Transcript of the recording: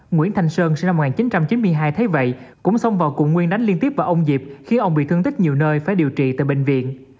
nguyễn thanh sơn sinh năm một nghìn chín trăm chín mươi hai thấy vậy cũng xông vào cùng nguyên đánh liên tiếp vào ông diệp khiến ông bị thương tích nhiều nơi phải điều trị tại bệnh viện